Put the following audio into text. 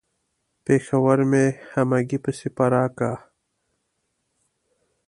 پېښور مې همګي پسې پره کا.